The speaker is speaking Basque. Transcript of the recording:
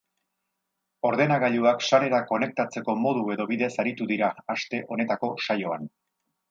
Ordenagailuak sarera konektatzeko modu edo bideaz ere aritu dira, aste honetako saioan.